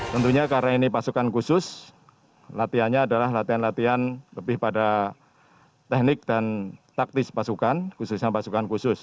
tentunya karena ini pasukan khusus latihannya adalah latihan latihan lebih pada teknik dan taktis pasukan khususnya pasukan khusus